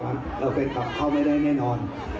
เราไปกลับเข้าไม่ได้แน่นอน